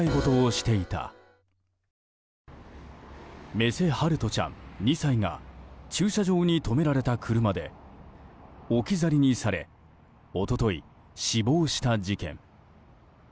目瀬陽翔ちゃん、２歳が駐車場に止められた車で置き去りにされ一昨日、死亡した事件。